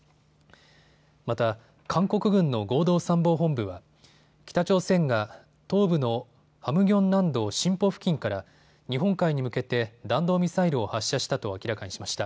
また韓国軍の合同参謀本部は北朝鮮が東部のハムギョン南道シンポ付近から日本海に向けて弾道ミサイルを発射したと明らかにしました。